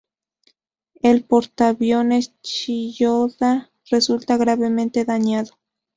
El portaviones Chiyoda resulta gravemente dañado.